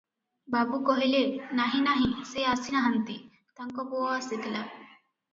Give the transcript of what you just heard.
ବାବୁ କହିଲେ – ନାହିଁ, ନାହିଁ ସେ ଆସି ନାହାନ୍ତି, ତାଙ୍କ ପୁଅ ଆସିଥିଲା ।